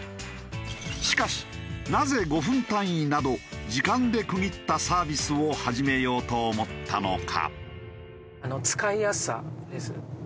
しかしなぜ５分単位など時間で区切ったサービスを始めようと思ったのか？